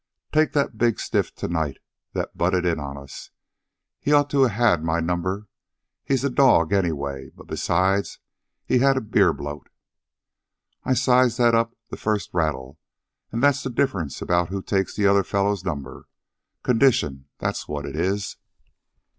Take that big stiff to night that butted in on us. He ought to had my number. He's a dog anyway, but besides he had beer bloat. I sized that up the first rattle, an' that's the difference about who takes the other fellow's number. Condition, that's what it is."